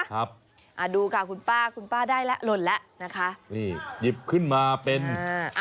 ครับอ่าดูค่ะคุณป้าคุณป้าได้แล้วหล่นแล้วนะคะนี่หยิบขึ้นมาเป็นอ่า